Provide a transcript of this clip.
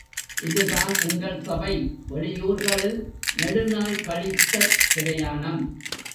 இதுதான் எங்கள் சபை வெளியூர்களில் நெடுநாள் கழித்த பிரயாணம்.